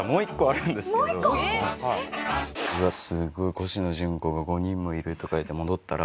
うわっすごいコシノジュンコが５人もいるとかいって戻ったら。